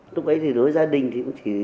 lúc ấy thì đối với gia đình thì chị